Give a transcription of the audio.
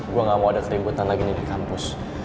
gue gak mau ada keributan lagi nih di kampus